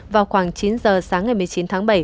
vào khoảng chín giờ sáng ngày một mươi chín tháng bảy